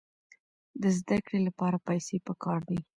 د زده کړې لپاره پیسې پکار دي.